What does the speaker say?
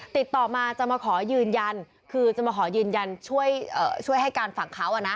ติดต่อมาจะมาขอยืนยันคือจะมาขอยืนยันช่วยให้การฝั่งเขาอ่ะนะ